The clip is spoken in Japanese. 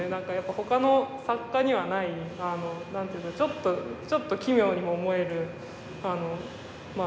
ほかの作家にはない何ていうのちょっとちょっと奇妙に思えるまあ